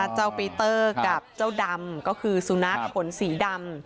จ้าวพรีเตอร์กับจ้าวดำก็คือสูนัขผนสีดำ